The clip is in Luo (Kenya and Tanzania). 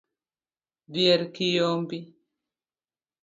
Dhier kiyombi